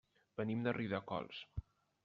Venim de Riudecols.